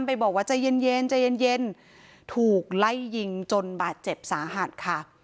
ไปบอกว่าใจเย็นใจเย็นถูกไล่ยิงจนบาดเจ็บสาหัสค่ะ